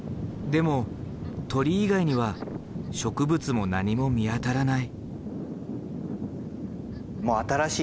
でも鳥以外には植物も何も見当たらない。